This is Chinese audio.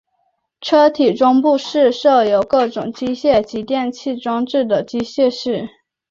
车体中部是设有各种机械及电气装置的机械室。